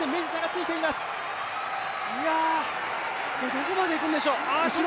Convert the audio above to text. どこまでいくんでしょう。